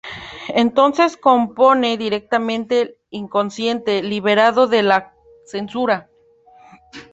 Entonces compone directamente el inconsciente, liberado de la censura.